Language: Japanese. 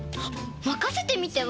まかせてみては？